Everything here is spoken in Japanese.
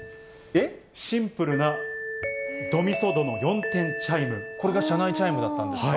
シンプルなド・ミ・ソ・ドのこれが車内チャイムだったんですか？